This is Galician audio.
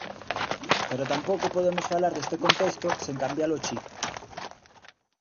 Pero tampouco podemos falar deste contexto sen cambiar o chip.